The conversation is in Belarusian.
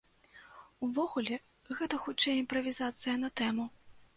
Увогуле, гэта, хутчэй, імправізацыя на тэму.